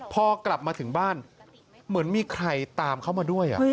พอกลับมาถึงบ้านเหมือนมีใครตามเขามาด้วย